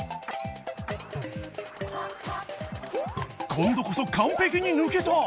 今度こそ完璧に抜けた！